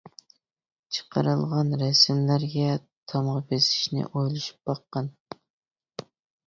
چىقىرىلغان رەسىملەرگە تامغا بېسىشنى ئويلىشىپ باققىن!